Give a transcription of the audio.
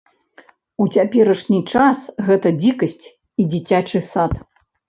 У цяперашні час гэта дзікасць і дзіцячы сад.